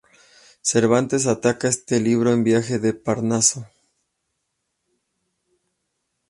Cervantes ataca este libro en su "Viaje del Parnaso".